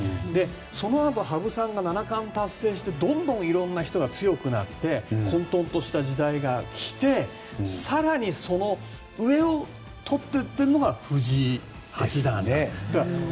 そのあと羽生さんが七冠を達成しどんどんいろんな人が強くなり混沌とした時代が来て更にその上をとっていってるのが藤井八冠なんですよね。